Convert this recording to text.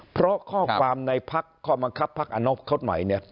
เพราะข้อความในภักดิ์ข้อมังคับภักดิ์อันตรีเขาใหม่เนี่ย